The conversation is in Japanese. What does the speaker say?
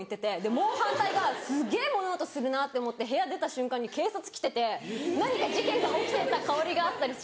もう反対がすっげぇ物音するなって思って部屋出た瞬間に警察来てて何か事件が起きてたかおりがあったりして。